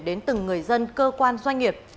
đến từng người dân cơ quan doanh nghiệp